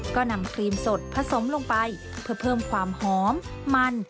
ก็นำครีมสดผสมลงไปเพื่อเพิ่มความหอมมัน